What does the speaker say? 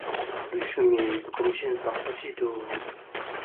The street was formerly named Corporation Lane.